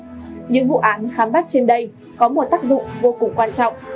nhưng vụ án khám bắt trên đây có một tác dụng vô cùng quan trọng